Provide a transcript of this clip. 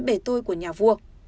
bề tôi của nhà vua